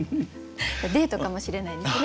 デートかもしれないですね。